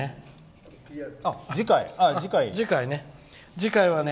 次回はね。